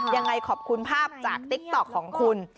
ยังไงขอบคุณภาพจากติ๊กต๊อกของคุณ